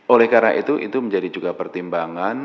oleh karena itu itu menjadi juga pertimbangan